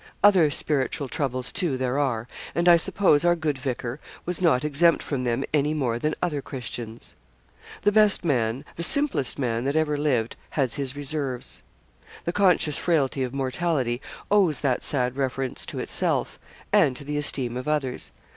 Other spiritual troubles, too, there are; and I suppose our good vicar was not exempt from them any more than other Christians. The best man, the simplest man that ever lived, has his reserves. The conscious frailty of mortality owes that sad reverence to itself, and to the esteem of others.